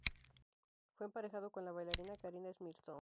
Fue emparejado con la bailarina Karina Smirnoff.